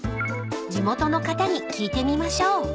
［地元の方に聞いてみましょう］